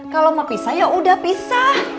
kalau mau pisah ya udah pisah